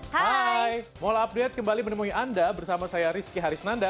hai mall update kembali menemui anda bersama saya rizky harisnanda